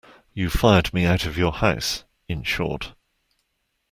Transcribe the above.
You fired me out of your house, in short.